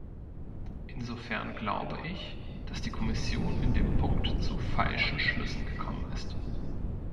Insofern glaube ich, dass die Kommission in dem Punkt zu falschen Schlüssen gekommen ist.